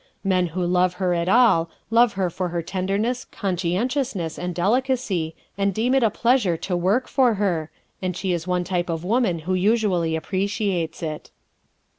Men who love her at all, love her for her tenderness, conscientiousness and delicacy and deem it a pleasure to work for her, and she is one type of woman who usually appreciates it.